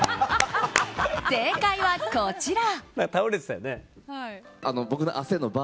正解は、こちら。